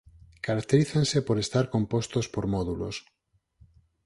Caracterízanse por estar compostos por módulos.